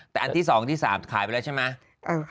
แต่อันที่๒ที่๓ขายไปแล้วใช่ไหม